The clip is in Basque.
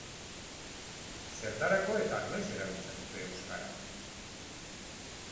Zertarako eta noiz erabiltzen dute euskara?